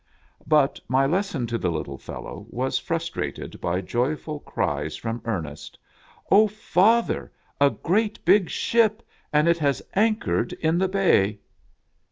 But my lesson to the little fellow was frustrated by joyful cries from Ernest. " O, father ! A great big ship ! and it has anchored in the bay."